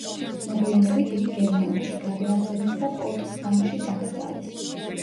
მოგვიანებით იგი გერმანიაში გადაასვენეს და პოტსდამში დაკრძალეს.